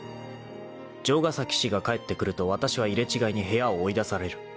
［城ヶ崎氏が帰ってくるとわたしは入れ違いに部屋を追い出される］